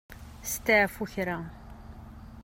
Steɛfu kra.